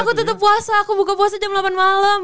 aku tetep puasa aku buka puasa jam delapan malem